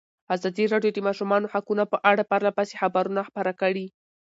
ازادي راډیو د د ماشومانو حقونه په اړه پرله پسې خبرونه خپاره کړي.